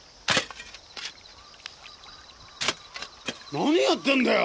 何やってんだよ！